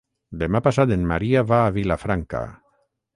Demà passat en Maria va a Vilafranca.